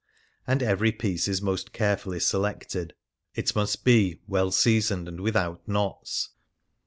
And every piece is most carefully selected ; it must be " well seasoned and without knots."